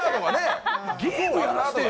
げーむやらせてよ。